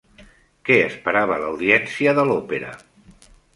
Què esperava l'audiència de l'òpera?